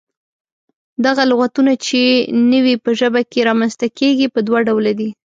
دغه لغتونه چې نوي په ژبه کې رامنځته کيږي، پۀ دوله ډوله دي: